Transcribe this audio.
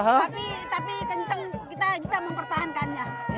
enak tapi kencang kita bisa mempertahankannya